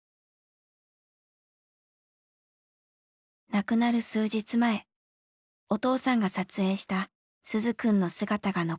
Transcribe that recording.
亡くなる数日前お父さんが撮影した鈴くんの姿が残っていました。